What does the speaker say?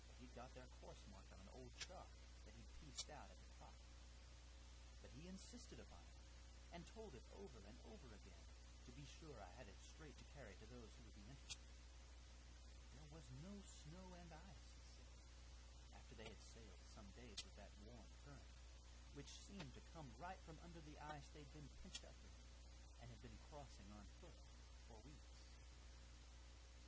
for he'd got their course marked on an old chart that he'd pieced out at the top; but he insisted upon it, and told it over and over again, to be sure I had it straight to carry to those who would be interested. There was no snow and ice, he said, after they had sailed some days with that warm current, which seemed to come right from under the ice that they'd been pinched up in and had been crossing on foot for weeks."